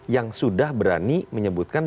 yang sudah berani menyebutkan